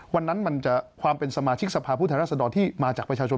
วันนั้นความเป็นสมาชิกสภาพุทธรรษฎรที่มาจากประชาชน